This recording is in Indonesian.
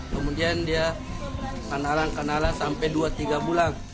kemudian dia kenalan kenalan sampai dua tiga bulan